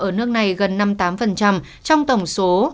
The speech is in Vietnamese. ở nước này gần năm mươi tám trong tổng số